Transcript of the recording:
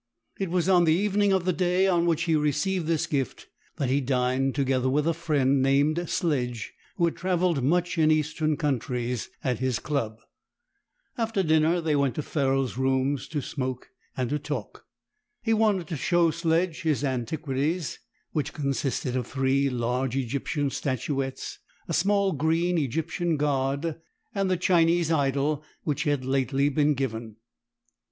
It was on the evening of the day on which he received this gift that he dined, together with a friend named Sledge who had travelled much in Eastern countries, at his club. After dinner they went to Ferrol's rooms to smoke and to talk. He wanted to show Sledge his antiquities, which consisted of three large Egyptian statuettes, a small green Egyptian god, and the Chinese idol which he had lately been given.